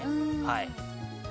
はい。